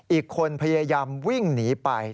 อีกคนพยายามวิ่งหนีไป